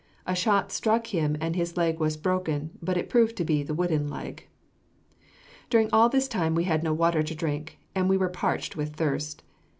A shot struck him and his leg was broken, but it proved to be the wooden leg. During all this time we had no water to drink, and we were parched with thirst.